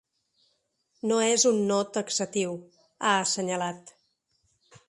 No és un “no” taxatiu, ha assenyalat.